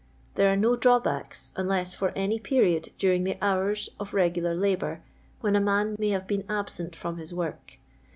There are no drawl)ackft, unless for any period during the houra of regular labour, wlien a man may have been absent from hi:* work.